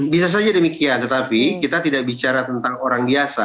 bisa saja demikian tetapi kita tidak bicara tentang orang biasa